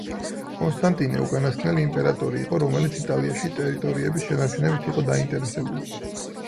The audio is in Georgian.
კონსტანტინე უკანასკნელი იმპერატორი იყო, რომელიც იტალიაში ტერიტორიების შენარჩუნებით იყო დაინტერესებული.